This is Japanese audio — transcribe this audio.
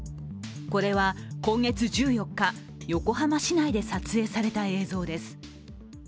これは今月１４日、横浜市内で撮影された映像です。